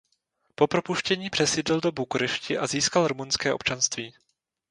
Po propuštění přesídlil do Bukurešti a získal rumunské občanství.